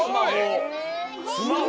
すごい！